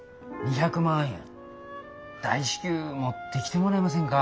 ２００万円大至急持ってきてもらえませんか。